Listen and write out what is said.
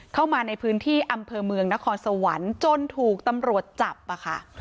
เข้ามาในพื้นที่อำเภอเมืองนครสวรรค์จนถูกตำรวจจับค่ะ